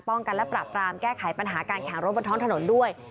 กันและปราบรามแก้ไขปัญหาการแข่งรถบนท้องถนนด้วย